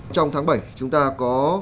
trong tháng bảy chúng ta có